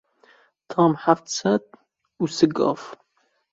Tam heft sed û sî gav.